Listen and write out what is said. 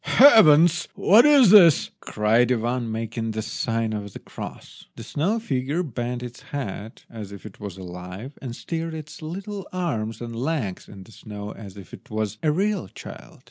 "Heavens! what is this?" cried Ivan, making the sign of the cross. The snow figure bent its head as if it was alive, and stirred its little arms and legs in the snow as if it was a real child.